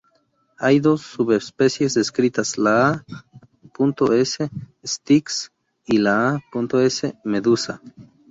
Hay dos subespecies descritas, la "A. s. styx" y la "A. s. medusa".